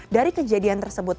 dari kejadian tersebut